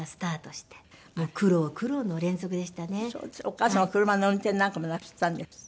お母様は車の運転なんかもなすったんですって？